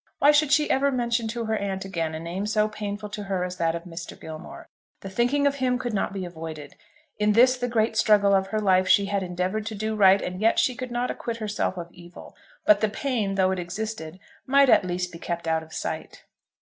Why should she ever mention to her aunt again a name so painful to her as that of Mr. Gilmore? The thinking of him could not be avoided. In this, the great struggle of her life, she had endeavoured to do right, and yet she could not acquit herself of evil. But the pain, though it existed, might at least be kept out of sight.